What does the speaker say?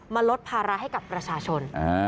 ลดภาระให้กับประชาชน